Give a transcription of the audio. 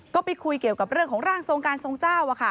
ก็ไปคุยเกี่ยวกับเรื่องของร่างทรงการทรงเจ้า